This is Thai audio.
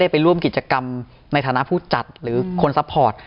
ไปร่วมกิจกรรมในฐานะผู้จัดหรือคนซัพพอร์ต